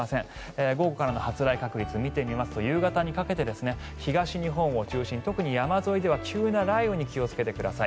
午後からの発雷確率を見てみますと夕方にかけて東日本を中心に特に山沿いでは急な雷雨に気をつけてください。